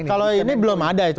kalau ini belum ada itu